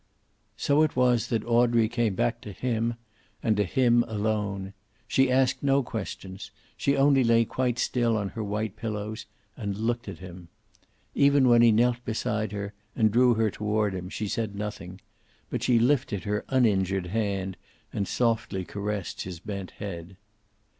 So it was that Audrey came back to him, and to him alone. She asked no questions. She only lay quite still on her white pillows, and looked at him. Even when he knelt beside her and drew her toward him, she said nothing, but she lifted her uninjured hand and softly caressed his bent head.